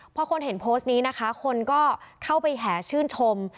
พอคนเห็นโพสต์นี้นะคะคนก็เข้าไปแห่ชื่นชม